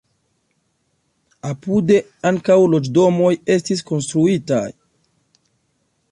Apude ankaŭ loĝdomoj estis konstruitaj.